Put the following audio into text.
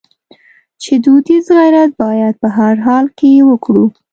چې دودیز غیرت باید په هر حال کې وکړو.